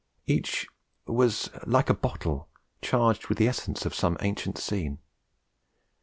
Each was like a bottle charged with the essence of some ancient scene.